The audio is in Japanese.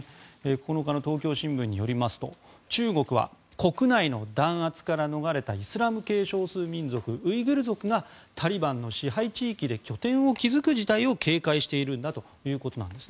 ９日の東京新聞によりますと中国は国内の弾圧から逃れたイスラム系少数民族ウイグル族がタリバンの支配地域で拠点を築く事態を警戒しているんだということなんです。